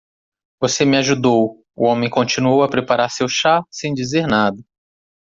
"Você me ajudou." O homem continuou a preparar seu chá sem dizer nada.